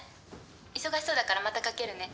忙しそうだからまたかけるね。